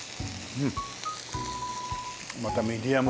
うん。